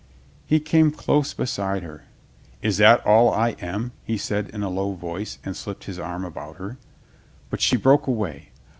He came close beside her. "Is that all I am?" he said in a low voice and slipped his arm about her. But she broke away.